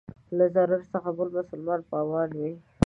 له ضرر څخه بل مسلمان په امان وي.